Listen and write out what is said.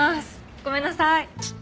ごめんなさい。